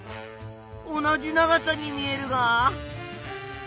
同じ長さに見えるが。